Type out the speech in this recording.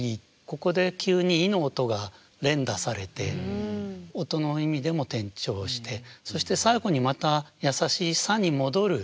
ここで急に「い」の音が連打されて音の意味でも転調してそして最後にまた優しい「さ」に戻る。